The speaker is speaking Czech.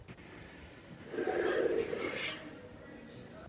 Existuje mnoho příkladů.